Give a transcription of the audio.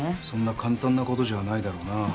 そんな簡単なことじゃないだろうな。